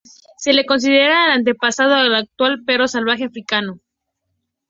Se le considera el antepasado del actual "perro salvaje africano".